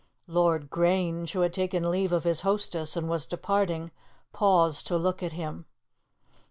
Lord Grange, who had taken leave of his hostess and was departing, paused to look at him.